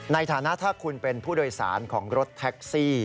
ในฐานะถ้าคุณเป็นผู้โดยสารของรถแท็กซี่